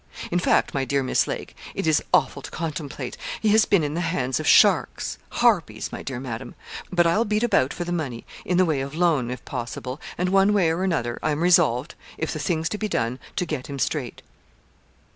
In fact, my dear Miss Lake it is awful to contemplate he has been in the hands of sharks, harpies, my dear Madam; but I'll beat about for the money, in the way of loan, if possible, and, one way or another, I am resolved, if the thing's to be done, to get him straight.'